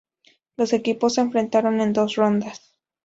Los equipos se enfrentaron en dos rondas.